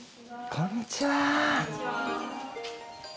こんにちは。